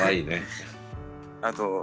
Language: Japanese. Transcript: あと。